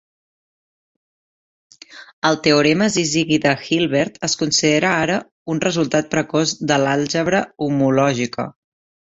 El teorema syzygy de Hilbert es considera ara un resultat precoç de l'àlgebra homològica.